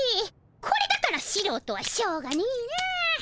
これだからしろうとはしょうがねえなあ。